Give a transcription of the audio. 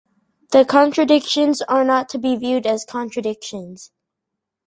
The contradictions are not to be viewed as contradictions.